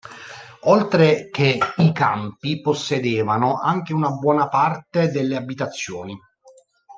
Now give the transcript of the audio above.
Oltre che i campi possedevano anche una buona parte delle abitazioni.